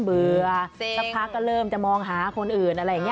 เบื่อสักพักก็เริ่มจะมองหาคนอื่น